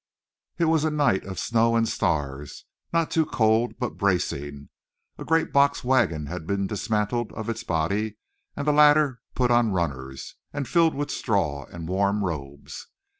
It was a night of snow and stars, not too cold but bracing. A great box wagon had been dismantled of its body and the latter put on runners and filled with straw and warm robes.